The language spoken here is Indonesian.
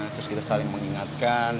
terus kita saling mengingatkan